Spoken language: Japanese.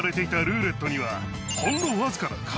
ほんの。